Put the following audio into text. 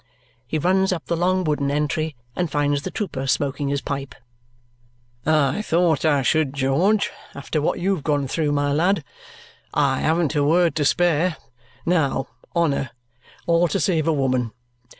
He runs up the long wooden entry and finds the trooper smoking his pipe. "I thought I should, George, after what you have gone through, my lad. I haven't a word to spare. Now, honour! All to save a woman.